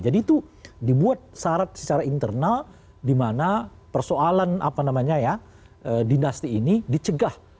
jadi itu dibuat syarat secara internal dimana persoalan apa namanya ya dinasti ini dicegah